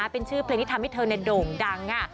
เป็นชื่อเพลงที่ทำให้เธอโด่งดังค่ะ